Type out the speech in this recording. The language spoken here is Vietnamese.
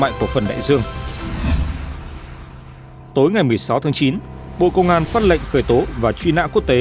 mạnh của phần đại dương tối ngày một mươi sáu tháng chín bộ công an phát lệnh khởi tố và truy nã quốc tế